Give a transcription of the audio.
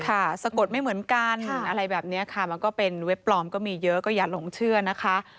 สะกดไม่เหมือนกันอะไรแบบนี้ค่ะมันก็เป็นเว็บปลอมก็มีเยอะก็อย่าหลงเชื่อนะคะ